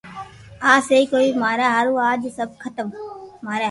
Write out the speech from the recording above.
آ سھي ڪوئي ماري ھارو مني اج سب ختم